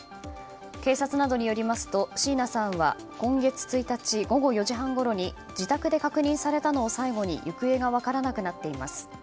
警察などによりますと椎名さんは今月１日、午後４時半ごろに自宅で確認されたのを最後に行方が分からなくなっています。